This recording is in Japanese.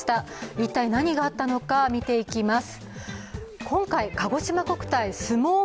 一体、何があったのか見ていきます。